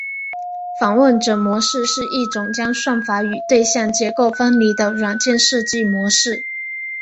访问者模式是一种将算法与对象结构分离的软件设计模式。